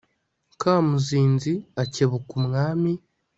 Kamuzinzi akebuka Umwami